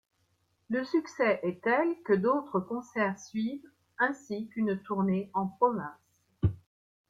Le succès est tel que d'autres concerts suivent, ainsi qu'une tournée en province.